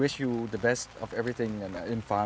คุณต้องเป็นผู้งาน